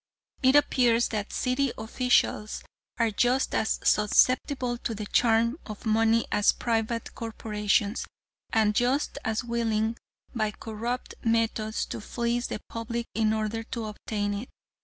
It appears that city officials are just as susceptible to the charm of money as private corporations, and just as willing, by corrupt methods, to fleece the public in order to obtain it.